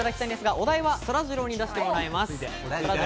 お題はそらジローに出してもらいます。